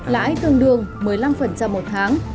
lãi tương đương một mươi năm một tháng